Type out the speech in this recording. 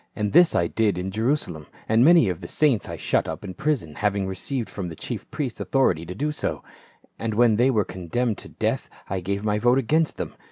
And this I did in Jerusalem, and many of the saints I shut up in prison, having received from the chief priests authority to do so ; and when they were condemned to death, I gave my vote against them.